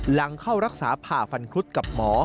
หลังเข้ารักษาผ่าฟันครุฑกับหมอ